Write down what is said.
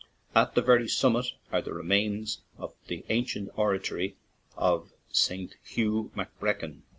At the very summit are the remains of the ancient oratory of St. Hugh McBreacon.